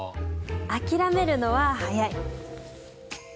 諦めるのは早い！